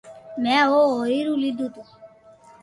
مي او ھوري رو لودو تو